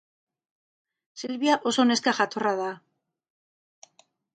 Silvia oso neska jatorra da.